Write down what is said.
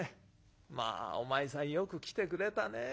『まあお前さんよく来てくれたね。